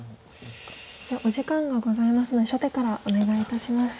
お時間がございますので初手からお願いいたします。